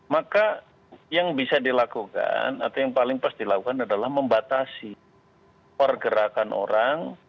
maka yang bisa dilakukan atau yang paling pas dilakukan adalah membatasi pergerakan orang